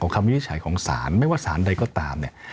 วินิจฉัยของศาลไม่ว่าสารใดก็ตามเนี่ย